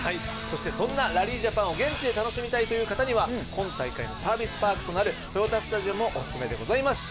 そしてそんなラリージャパンを現地で楽しみたいという方には今大会のサービスパークとなる豊田スタジアムもおすすめでございます。